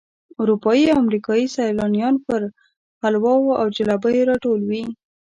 اروپایي او امریکایي سیلانیان پر حلواو او جلبیو راټول وي.